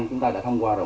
chúng ta đã thông qua rồi